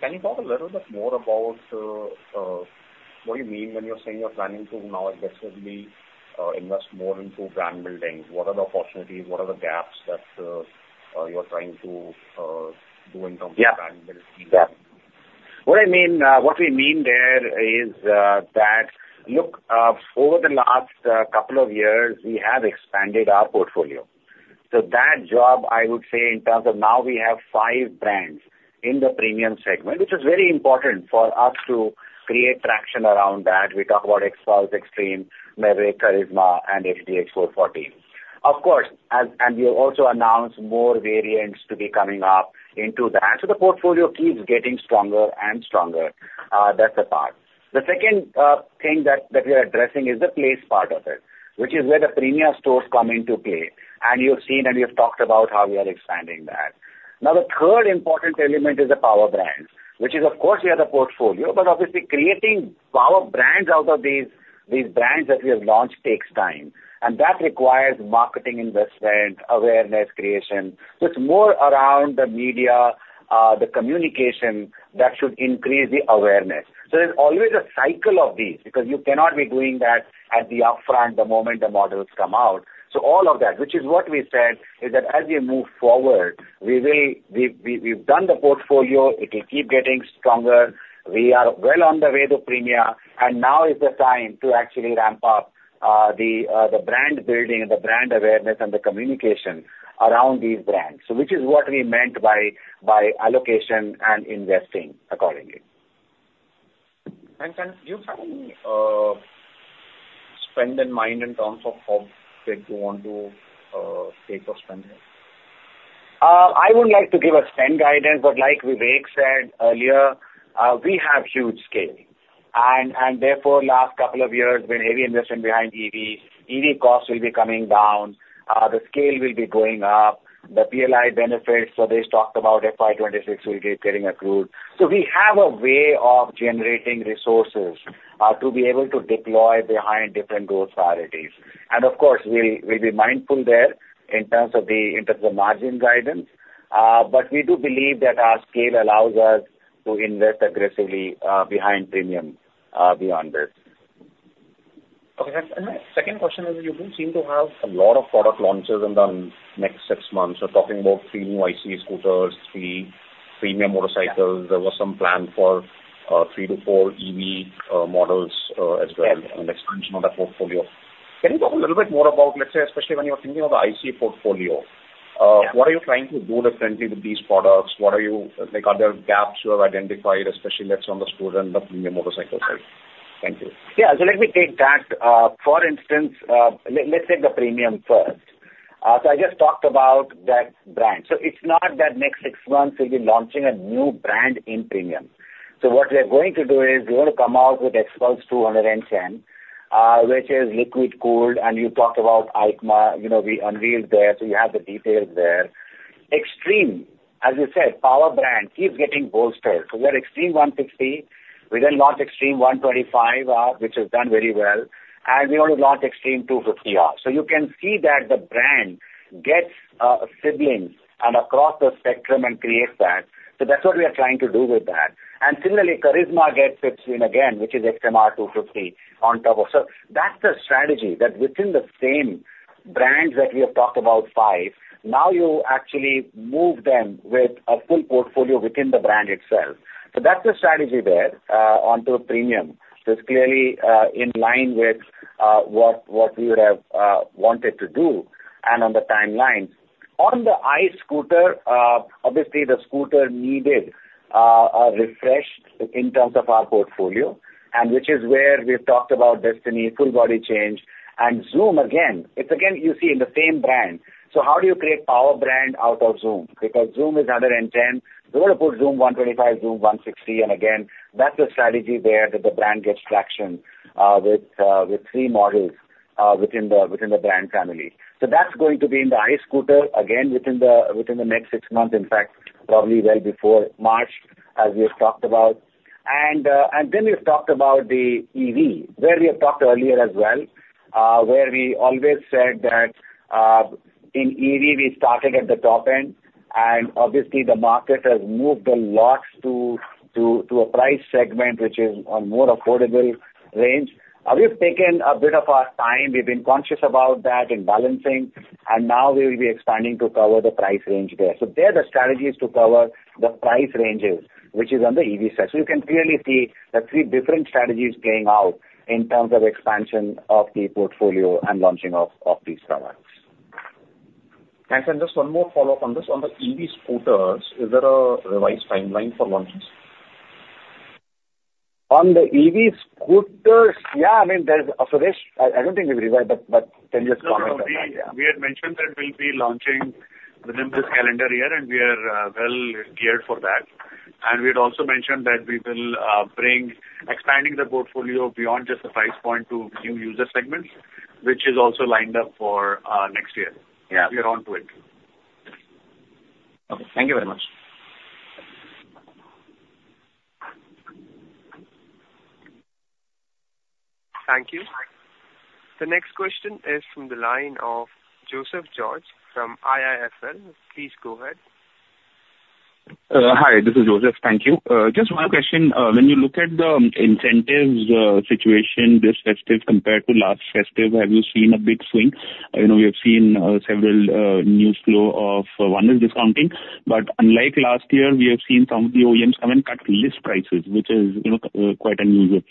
Can you talk a little bit more about what you mean when you're saying you're planning to now aggressively invest more into brand building? What are the opportunities? What are the gaps that you're trying to do in terms of brand building?
Yeah. What I mean there is that, look, over the last couple of years, we have expanded our portfolio. So that job, I would say, in terms of now we have five brands in the premium segment, which is very important for us to create traction around that. We talk about Xtreme, XPulse, Mavrick, Karizma, and HD X440. Of course, and we have also announced more variants to be coming up into that. So the portfolio keeps getting stronger and stronger. That's the part. The second thing that we are addressing is the place part of it, which is where the premium stores come into play. And you've seen and we have talked about how we are expanding that. Now, the third important element is the power brands, which is, of course, we have a portfolio. But obviously, creating power brands out of these brands that we have launched takes time. And that requires marketing investment, awareness creation. So it's more around the media, the communication that should increase the awareness. So there's always a cycle of these because you cannot be doing that up front the moment the models come out. So all of that, which is what we said, is that as we move forward, we've done the portfolio. It will keep getting stronger. We are well on the way to premium. And now is the time to actually ramp up the brand building and the brand awareness and the communication around these brands, which is what we meant by allocation and investing accordingly.
Can you tell me spend in mind in terms of how big you want to take your spending?
I wouldn't like to give a spend guidance, but like Vivek said earlier, we have huge scale. And therefore, last couple of years, we're heavy investing behind EV. EV costs will be coming down. The scale will be going up. The PLI benefits, so they talked about FY 2026, we'll keep getting accrued. So we have a way of generating resources to be able to deploy behind different growth priorities. And of course, we'll be mindful there in terms of the margin guidance. But we do believe that our scale allows us to invest aggressively behind premium beyond this.
Okay. And my second question is that you do seem to have a lot of product launches in the next six months. You're talking about three new ICE scooters, three premium motorcycles. There was some plan for three to four EV models as well and expansion of the portfolio. Can you talk a little bit more about, let's say, especially when you're thinking of the ICE portfolio, what are you trying to do differently with these products? Are there gaps you have identified, especially that's on the scooter and the premium motorcycle side? Thank you.
Yeah. So let me take that. For instance, let's take the premium first. I just talked about that brand. It's not that in the next six months we'll be launching a new brand in premium. What we're going to do is we want to come out with XPulse 210, which is liquid cooled. You talked about EICMA. We unveiled there, so you have the details there. Xtreme, as you said, power brand keeps getting bolstered. We have Xtreme 160. We then launched Xtreme 125R, which has done very well. We want to launch Xtreme 250R. You can see that the brand gets siblings and across the spectrum and creates that. That's what we are trying to do with that. Similarly, Karizma gets its wing again, which is XMR 250 on top of. So that's the strategy that within the same brands that we have talked about five, now you actually move them with a full portfolio within the brand itself. So that's the strategy there on to premium. So it's clearly in line with what we would have wanted to do and on the timeline. On the our scooter, obviously, the scooter needed a refresh in terms of our portfolio, which is where we've talked about Destini, full body change. And Xoom, again, it's you see in the same brand. So how do you create power brand out of Xoom? Because Xoom is 110. We want to put Xoom 125, Xoom 160. And again, that's the strategy there that the brand gets traction with three models within the brand family. So that's going to be in the ICE scooter, again, within the next six months, in fact, probably well before March, as we have talked about. And then we've talked about the EV, where we have talked earlier as well, where we always said that in EV, we started at the top end. And obviously, the market has moved a lot to a price segment, which is on a more affordable range. We have taken a bit of our time. We've been conscious about that in balancing. And now we will be expanding to cover the price range there. So there are the strategies to cover the price ranges, which is on the EV side. So you can clearly see the three different strategies playing out in terms of expansion of the portfolio and launching of these products.
Thanks. And just one more follow-up on this. On the EV scooters, is there a revised timeline for launches?
On the EV scooters, yeah. I mean, I don't think we've revised, but can you just comment on that?
Yeah. We had mentioned that we'll be launching within this calendar year, and we are well geared for that. And we had also mentioned that we will bring expanding the portfolio beyond just the price point to new user segments, which is also lined up for next year. We are onto it.
Okay. Thank you very much.
Thank you. The next question is from the line of Joseph George from IIFL. Please go ahead.
Hi. This is Joseph. Thank you. Just one question. When you look at the incentives situation this festive compared to last festive, have you seen a big swing? We have seen several new lows, one is discounting. But unlike last year, we have seen some of the OEMs come and cut list prices, which is quite unusual.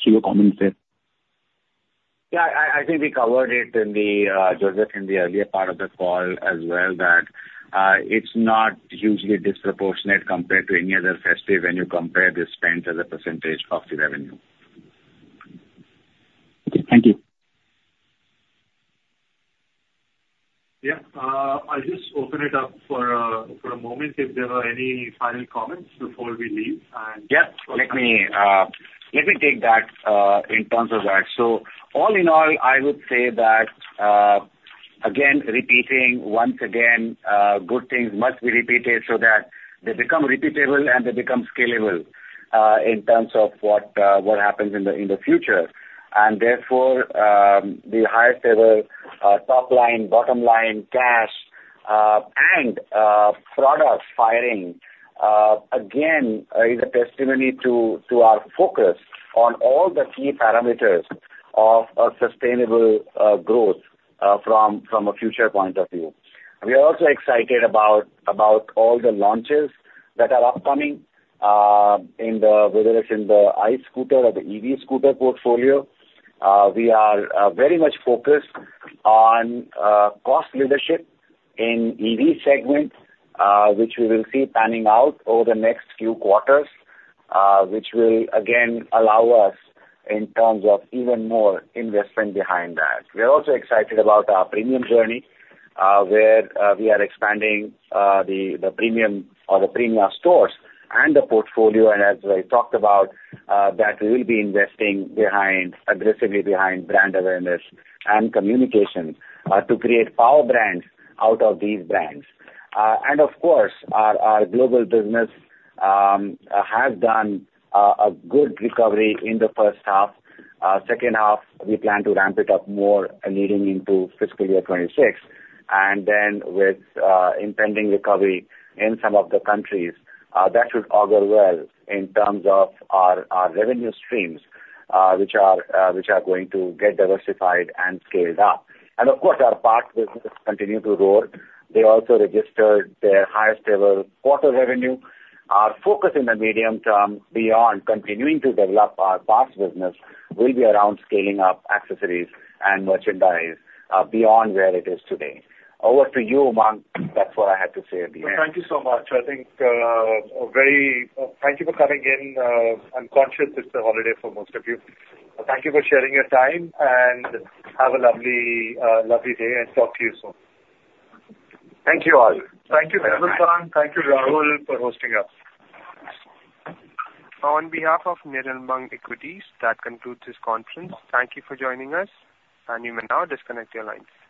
So your comments there?
Yeah. I think we covered it, Joseph, in the earlier part of the call as well, that it's not hugely disproportionate compared to any other festive when you compare the spend to the percentage of the revenue.
Okay. Thank you.
Yeah. I'll just open it up for a moment if there are any final comments before we leave.
Yeah. Let me take that in terms of that. So all in all, I would say that, again, repeating once again, good things must be repeated so that they become repeatable and they become scalable in terms of what happens in the future. And therefore, the highest level top line, bottom line, cash, and product firing, again, is a testimony to our focus on all the key parameters of sustainable growth from a future point of view. We are also excited about all the launches that are upcoming, whether it's in the ICE scooter or the EV scooter portfolio. We are very much focused on cost leadership in EV segment, which we will see panning out over the next few quarters, which will, again, allow us in terms of even more investment behind that. We are also excited about our premium journey where we are expanding the premium stores and the portfolio. And as I talked about, that we will be investing aggressively behind brand awareness and communication to create power brands out of these brands. And of course, our global business has done a good recovery in the first half. Second half, we plan to ramp it up more leading into fiscal year 26. And then with impending recovery in some of the countries, that should augur well in terms of our revenue streams, which are going to get diversified and scaled up. And of course, our parts business continues to roar. They also registered their highest level quarter revenue. Our focus in the medium term beyond continuing to develop our parts business will be around scaling up accessories and merchandise beyond where it is today. Over to you, Nitij. That's what I had to say at the end.
Thank you so much. I think thank you for coming in. I'm conscious it's a holiday for most of you. Thank you for sharing your time. Have a lovely day and talk to you soon.
Thank you all.
Thank you, Nitij Mangal. Thank you, Rahul, for hosting us.
On behalf of Nirmal Bang Institutional Equities, that concludes this conference. Thank you for joining us. You may now disconnect your lines.